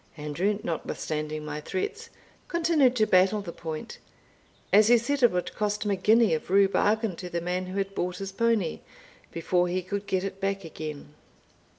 Andrew, notwithstanding my threats, continued to battle the point, as he said it would cost him a guinea of rue bargain to the man who had bought his pony, before he could get it back again.